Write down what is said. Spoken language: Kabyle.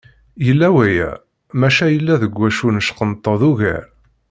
Yella waya, maca yella deg wacu neckenṭeḍ ugar.